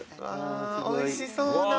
おいしそうだ。